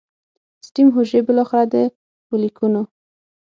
سټیم حجرې بالاخره د فولیکونو